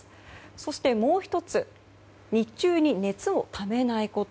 そして、もう１つ日中に熱をためないこと。